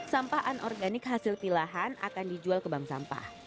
sampah anorganik hasil pilahan akan dijual ke bank sampah